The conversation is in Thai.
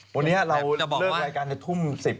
วันนี้เราเลิกรายการในทุ่ม๑๐